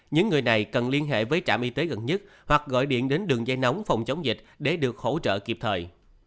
những người này cần liên hệ với trạm y tế gần nhất hoặc gọi điện đến đường dây nóng phòng chống dịch để được hỗ trợ kịp thời